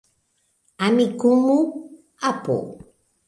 Amikumu, apo.